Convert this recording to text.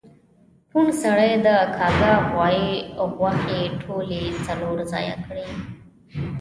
کوڼ سړي د کاږه غوایی غوښې ټولی څلور ځایه کړی